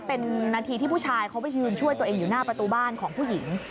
เป็นนาทีที่ผู้ชายเขาไปยืนช่วยตัวเองอยู่หน้าประตูบ้านของผู้หญิง